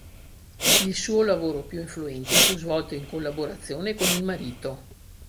Il suo lavoro più influente fu svolto in collaborazione con il marito.